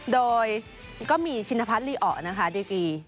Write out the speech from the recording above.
โดยก็มีชินภัทรรีอ๋อดีกรีย์